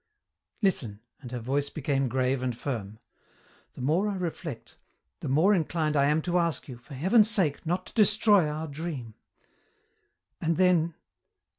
Listen," and her voice became grave and firm. "The more I reflect, the more inclined I am to ask you, for heaven's sake, not to destroy our dream. And then....